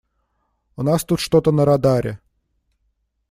У нас тут что-то на радаре.